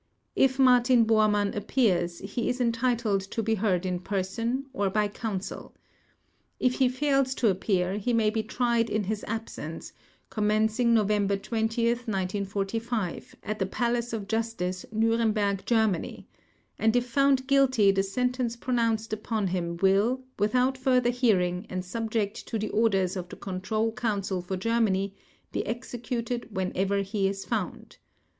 If Martin Bormann appears, he is entitled to be heard in person or by counsel. If he fails to appear, he may be tried in his absence, commencing November 20, 1945 at the Palace of Justice, Nuremberg, Germany, and if found guilty the sentence pronounced upon him will, without further hearing, and subject to the orders of the Control Council for Germany, be executed whenever he is found.